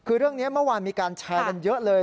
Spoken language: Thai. คือเรื่องนี้เมื่อวานมีการแชร์กันเยอะเลย